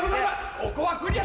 ここはクリア。